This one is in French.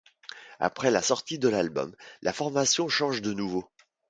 Après la sortie de l'album, la formation change de nouveau.